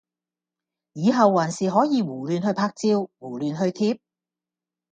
以後還是可以胡亂去拍照，胡亂去貼！